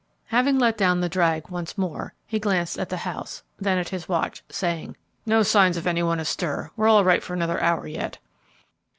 Having let down the drag once more, he glanced at the house, then at his watch, saying, "No signs of any one astir; we're all right for another hour yet."